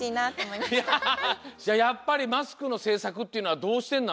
じゃあやっぱりマスクのせいさくっていうのはどうしてんの？